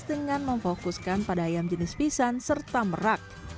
dengan memfokuskan pada ayam jenis pisang serta merak